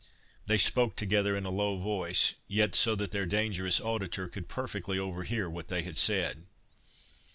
They spoke together in a low voice, yet so that their dangerous auditor could perfectly overhear what they said.